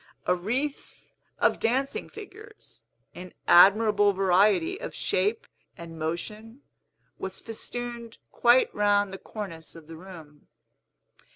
A wreath of dancing figures, in admirable variety of shape and motion, was festooned quite round the cornice of the room.